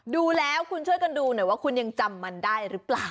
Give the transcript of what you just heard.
ดูแล้วคุณช่วยกันดูหน่อยว่าคุณยังจำมันได้หรือเปล่า